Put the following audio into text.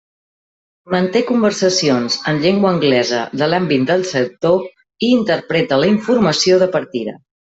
Manté conversacions en llengua anglesa de l'àmbit del sector i interpreta la informació de partida.